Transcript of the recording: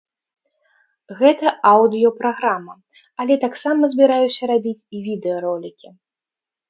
Гэта аўдыё-праграма, але таксама збіраюся рабіць і відэа ролікі.